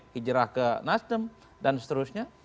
hijrah ke nasdem dan seterusnya